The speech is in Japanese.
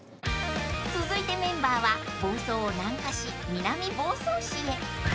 ［続いてメンバーは房総を南下し南房総市へ］